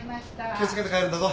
気をつけて帰るんだぞ。